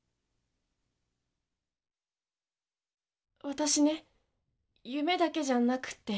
私ね夢だけじゃなくって。